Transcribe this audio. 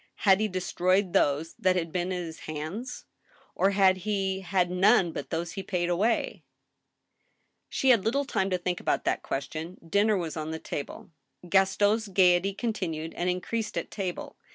Had he destroyed those that had been in his hands ? Or had he had none but those he paid away ? She had little time to think about that question. Dinner was on the table. Gaston's gayety continued and increased at table.